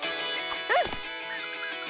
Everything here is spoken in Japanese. うん！